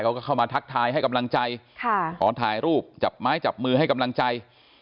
เขาก็เข้ามาทักทายให้กำลังใจขอถ่ายรูปจับไม้จับมือให้กำลังใจ